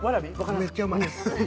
めっちゃうまい。